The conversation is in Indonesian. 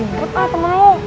rindut ah temen lo